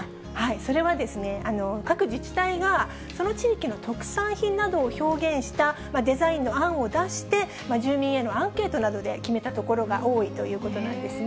それはですね、各自治体がその地域の特産品などを表現したデザインの案を出して、住民へのアンケートなどで決めたところが多いということなんですね。